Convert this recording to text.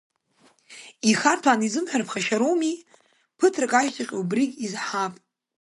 Ихарҭәаан изымҳәар ԥхашьароуми, ԥыҭрак ашьҭахь убригь изҳап…